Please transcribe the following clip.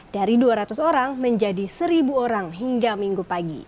dari dua ratus orang menjadi seribu orang hingga minggu pagi